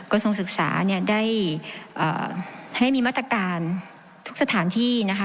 ทรงศึกษาเนี่ยได้ให้มีมาตรการทุกสถานที่นะคะ